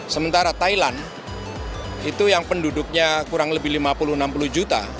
sementara thailand itu yang penduduknya kurang lebih lima puluh enam puluh juta